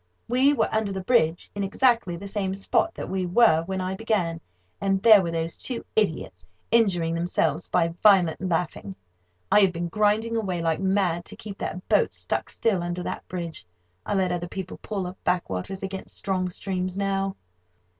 We were under the bridge, in exactly the same spot that we were when I began, and there were those two idiots, injuring themselves by violent laughing. I had been grinding away like mad to keep that boat stuck still under that bridge. I let other people pull up backwaters against strong streams now.